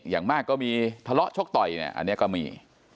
อย่างมากก็มีทะเลาะชกต่อยเนี่ยอันนี้ก็มี